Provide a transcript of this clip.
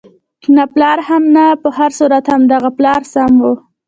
نه پلار هم نه، په هر صورت همدغه پلار سم وو.